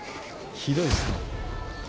ひどいですね。